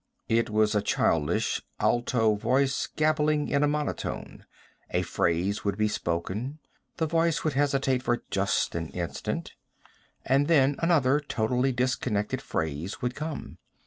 It was a childish, alto voice, gabbling in a monotone. A phrase would be spoken, the voice would hesitate for just an instant, and then another, totally disconnected phrase would come.